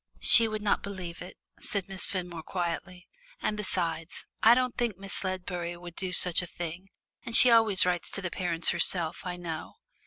"She would not believe it," said Miss Fenmore quietly; "and besides, I don't think Miss Ledbury would do such a thing, and she always writes to the parents herself, I know.